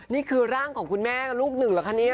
นี่คือร่างของคุณแม่กับลูกหนึ่งเหรอคะเนี่ย